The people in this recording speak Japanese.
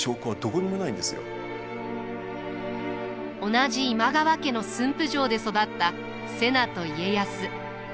同じ今川家の駿府城で育った瀬名と家康。